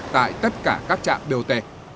tại tất cả các trạm bot